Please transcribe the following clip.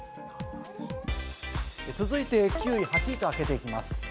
続いて９位、８位とあげていきます。